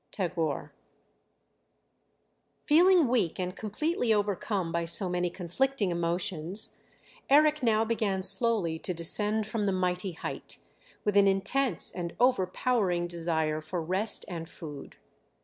TAGORE. Feeling weak and completely overcome by so many conflicting emotions, Eric now began slowly to descend from the mighty height, with an intense and overpowering desire for rest and food.